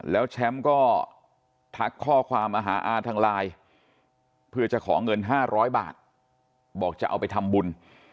แล้วแชมป์ก็ทักข้อความมาหาอาทางไลน์เพื่อจะขอเงิน๕๐๐บาทบอกจะเอาไปทำบุญ